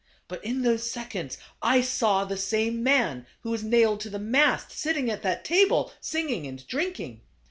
But in those seconds I saw the same man who was nailed to the mast sitting at that table, singing and drinking.